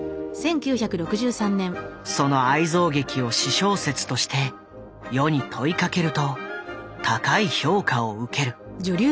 その愛憎劇を私小説として世に問いかけると高い評価を受ける。